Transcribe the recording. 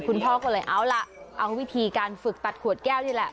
คุณพ่อก็เลยเอาล่ะเอาวิธีการฝึกตัดขวดแก้วนี่แหละ